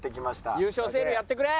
優勝セールやってくれ！